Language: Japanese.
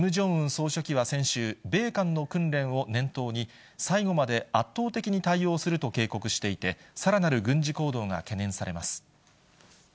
総書記は先週、米韓の訓練を念頭に、最後まで圧倒的に対応すると警告していて、さらなる軍事行動が懸念されます。